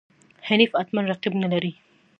حنیف اتمر رقیب نه لري.